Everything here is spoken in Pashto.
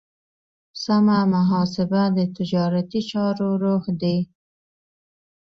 سمه محاسبه د تجارتي چارو روح دی.